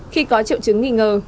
khi có triệu chứng nghi ngờ